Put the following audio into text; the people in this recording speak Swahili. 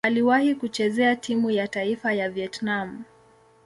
Aliwahi kucheza timu ya taifa ya Vietnam.